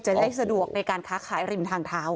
ได้สะดวกในการค้าขายริมทางเท้า